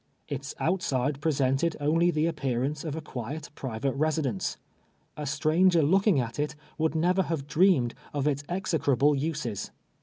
Its outside presented only the ap pearance of a quiet ])rivate residence. A stranger looking at it, would never have dreamed of its exe crable uses.